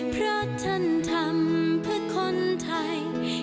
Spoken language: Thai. เพราะท่านทำเพื่อคนไทย